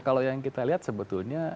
kalau yang kita lihat sebetulnya